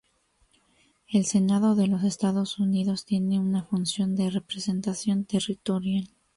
El Senado de los Estados Unidos tiene una función de representación territorial.